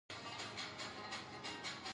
پکتیکا کې مېلمه پالنه، جرګې، عنعنوي جامي عام دي.